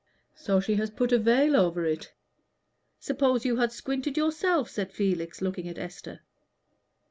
"She has put a veil over it. Suppose you had squinted yourself?" said Felix, looking at Esther.